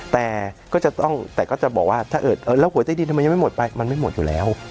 แต่ก็จะบอกว่าแล้วหัวใต้ดินทำไมยังไม่หมดไปมันไม่หมดอยู่แล้ว